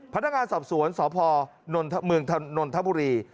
พนักงานสอบสวนสภมธบุรี